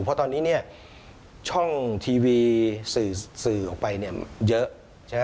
เพราะตอนนี้ช่องทีวีสื่อออกไปเยอะ